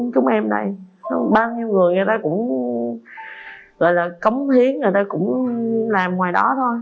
chúng em này bao nhiêu người người ta cũng gọi là cống hiến người ta cũng làm ngoài đó thôi